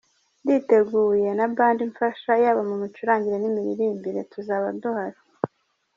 Nditeguye na Band imfasha yaba mu micurangire n’imiririmbire tuzaba duhari.